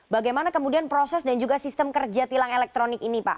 bagaimana kemudian proses dan juga sistem kerja tilang elektronik ini pak